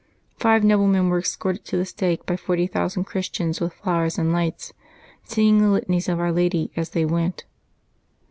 Five noblemen were escorted to the stake by 40,000 Christians with flowers and lights, singing the litanies of Our Lady as they went.